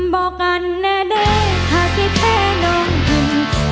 บอกกันแน่เด้อถ้าคิดแพ้นมกิน